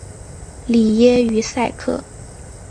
里耶于塞克。